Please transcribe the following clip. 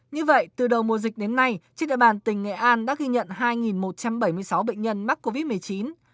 như vậy từ đầu mùa dịch đến nay trên địa bàn tỉnh nghệ an đã ghi nhận hai một trăm bảy mươi sáu bệnh nhân mắc covid một mươi chín